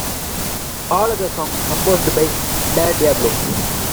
All other songs composed by Darediablo.